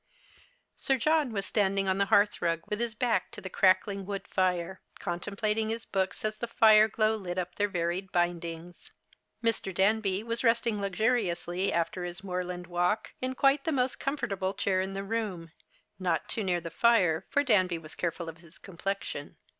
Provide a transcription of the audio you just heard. Sir John was standing on the hearth rug with his back to the crackling wood fire, contemplating his books as the fire glow lit up their varied bindings. ]Mr. Danby w as resting luxuriously alter his moorland walk, in quite the most comfortable chair in the room, not too near the fire, for Danby was careful of his complexion.